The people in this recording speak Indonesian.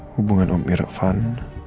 hubungan om irfan